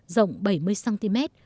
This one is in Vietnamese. rộng bảy mươi cm